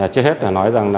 trước hết tôi nói rằng